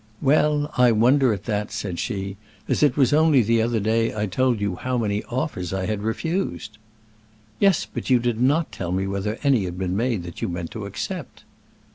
"Well, I wonder at that," said she, "as it was only the other day I told you how many offers I had refused." "Yes; but you did not tell me whether any had been made that you meant to accept."